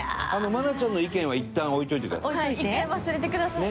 愛菜ちゃんの意見はいったん置いておいてください。